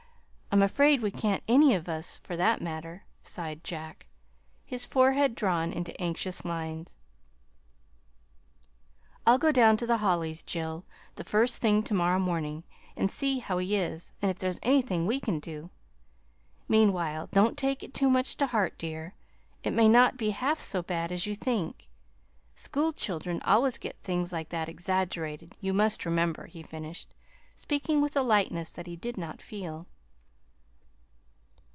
I'm afraid we can't any of us, for that matter," sighed Jack, his forehead drawn into anxious lines. "I'll go down to the Hollys', Jill, the first thing tomorrow morning, and see how he is and if there's anything we can do. Meanwhile, don't take it too much to heart, dear. It may not be half so bad as you think. School children always get things like that exaggerated, you must remember," he finished, speaking with a lightness that he did not feel.